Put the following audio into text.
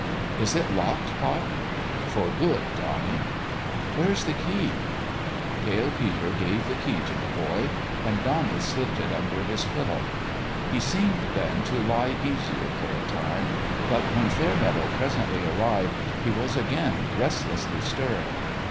" Is it locked, pop ?"" For good, Bonnie." " Where's the key ?" Pale Peter gave the key to the boy ; and Bonnie slipped it under his pillow. He seemed, then, to lie easier, for a time; but when Fair meadow presently arrived he was again restlessly stirring.